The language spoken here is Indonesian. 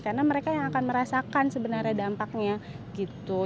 karena mereka yang akan merasakan sebenarnya dampaknya gitu